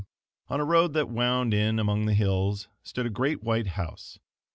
on a road that wound in among the hills stood a great white house.